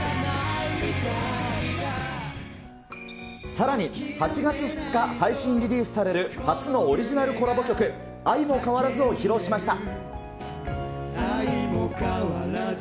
さらに８月２日、配信リリースされる初のオリジナルコラボ曲、あいもかわらずを披露しました。